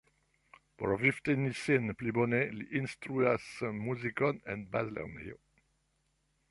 Por vivteni sin pli bone, li instruas muzikon en bazlernejo.